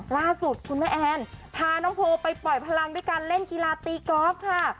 ล่าสุดคุณแม่แอนพาน้องโพลไปปล่อยพลังด้วยการเล่นกีฬาตีกอล์ฟค่ะ